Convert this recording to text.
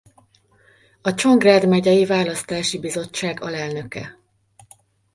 A Csongrád Megyei Választási Bizottság alelnöke.